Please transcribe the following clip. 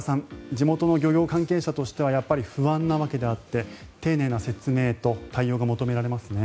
地元の漁業関係者としてはやっぱり不安なわけであって丁寧な説明と対応が求められますね。